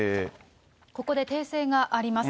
ここで訂正があります。